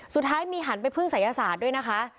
สุดท้ายมีหันไปพึ่งศัยศาสตร์ด้วยนะคะ